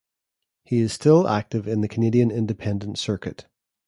He is still active in the Canadian Independent circuit.